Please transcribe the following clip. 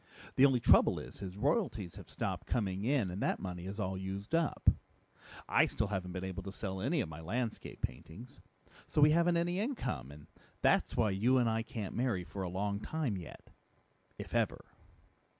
The only trouble is, his royalties have stopped coming in and that money is all used up. I still haven't been able to sell any of my landscape paintings. So we haven't any income, and that's why you and I can't marry for a long time yet if ever!"